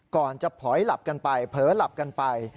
ก่อนจะผอยหลับกันไปเผลอหลับกันไป